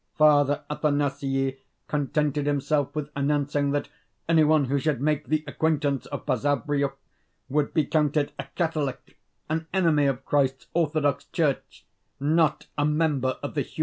Father Athanasii contented himself with announcing that any one who should make the acquaintance of Basavriuk would be counted a Catholic, an enemy of Christ's orthodox church, not a member of the human race.